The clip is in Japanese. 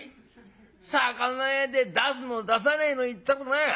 魚屋で出すの出さねえの言ったらな